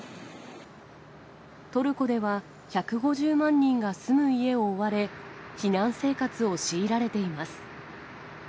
トルコでは１５０万人が住む家を追われ、避難生活を強いられています。